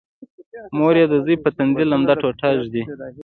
مور یې د زوی په تندي لمده ټوټه ږدي